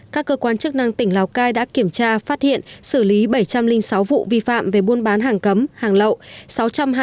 các cơ quan chức năng tỉnh lào cai đã kiểm tra phát hiện xử lý bảy trăm linh sáu vụ vi phạm về buôn bán hàng cấm hàng lậu